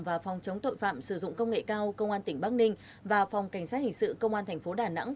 và phòng chống tội phạm sử dụng công nghệ cao công an tỉnh bắc ninh và phòng cảnh sát hình sự công an thành phố đà nẵng